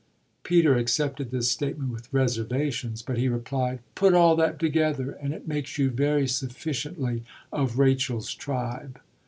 Peter accepted this statement with reservations, but he replied: "Put all that together and it makes you very sufficiently of Rachel's tribe."